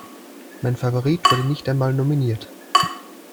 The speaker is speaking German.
Mein Favorit wurde nicht einmal nominiert.